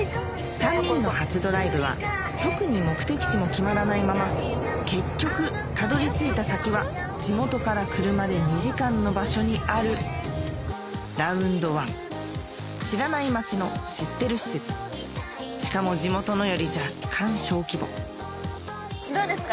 ３人の初ドライブは特に目的地も決まらないまま結局たどり着いた先は地元から車で２時間の場所にあるラウンドワン知らない街の知ってる施設しかも地元のより若干小規模どうですか？